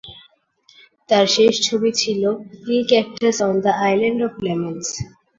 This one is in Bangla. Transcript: তার শেষ ছবি ছিল "Philoctetes on the island of lemons".